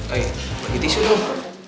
eh bagi tisu dong